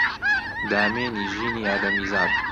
دامێنی ژینی ئادەمیزاد